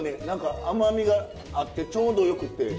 何か甘みがあってちょうどよくって。